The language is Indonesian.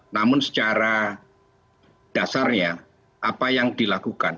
namun secara dasarnya apa yang dilakukan